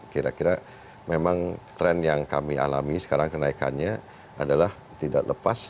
kira kira memang tren yang kami alami sekarang kenaikannya adalah tidak lepas